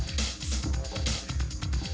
kita tari malam nih